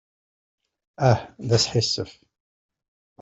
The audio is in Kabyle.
Ah, d asḥissef.